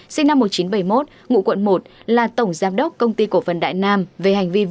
sinh năm một nghìn chín trăm bảy mươi một ngụ quận một là tổng giám đốc công ty cổ phần đại nam về hành vi